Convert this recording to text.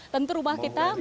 tentu rumah kita